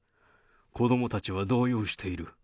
子どもたちは動揺している。